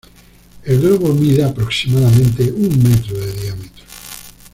El globo mide aproximadamente un metro de diámetro.